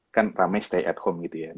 kan ramai stay at home gitu ya